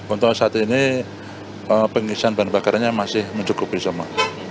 untuk saat ini pengisian bahan bakarnya masih mencukupi semua